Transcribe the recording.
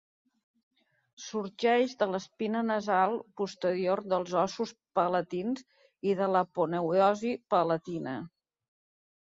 Sorgeix de l'espina nasal posterior dels ossos palatins i de l'aponeurosi palatina.